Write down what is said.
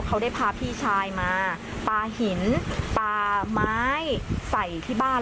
เขาได้พาพี่ชายมาปลาหินปลาไม้ใส่ที่บ้าน